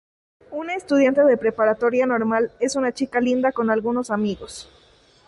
Una estudiante de preparatoria normal, es una chica linda con algunos amigos.